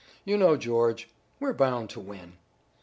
You know, George, we're bound to win."